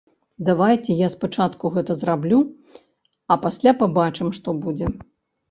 Давайце я спачатку гэта зраблю, а пасля пабачым, што будзе.